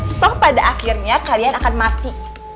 atau pada akhirnya kalian akan mati